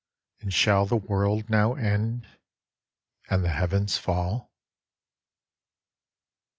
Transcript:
And shall the world now end and the heavens fall?